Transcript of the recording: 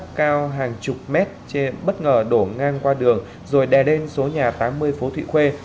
cần cầu tháp cao hàng chục mét bất ngờ đổ ngang qua đường rồi đè đen số nhà tám mươi phố thụy khuê